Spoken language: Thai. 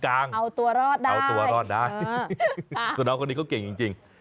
เอาตัวรอดได้เอาตัวรอดได้ส่วนน้องคนนี้เขาเก่งจริง